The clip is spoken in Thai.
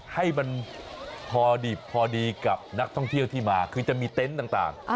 ให้มันพอดีกับนักท่องเที่ยวที่มาคือจะมีเต็นต์ต่าง